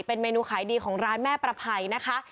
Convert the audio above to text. เป็นเมนูขายดีของร้านแม่ประภัยนะคะ